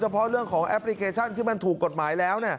เพราะเรื่องของแอปพลิเคชันที่มันถูกกฎหมายแล้ว